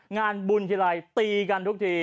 งานบุญทีไรตีกันทุกที